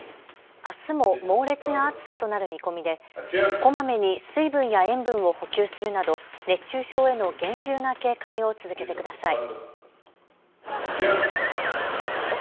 あすも猛烈な暑さとなる見込みでこまめに水分や塩分を補給するなど熱中症への厳重な警戒を続けてください。